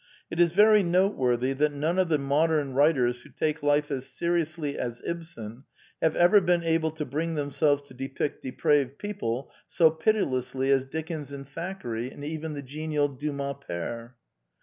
It is very noteworthy that none of the modern writers who take life as seriously as Ibsen have ever been able to bring themselves to depict de praved people so pitilessly as Dickens and Thack eray and even the genial Dumas pere.